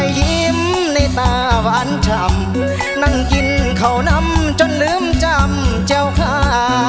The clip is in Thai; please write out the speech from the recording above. หอยยิ้มในตาวานชำนั่งกินข้าวน้ำจนลืมจำเจ้าข้า